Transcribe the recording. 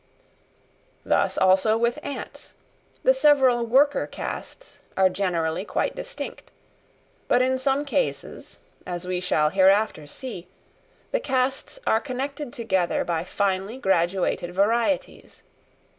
Thus also with ants, the several worker castes are generally quite distinct; but in some cases, as we shall hereafter see, the castes are connected together by finely graduated varieties.